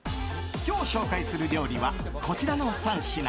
今日、紹介する料理はこちらの３品。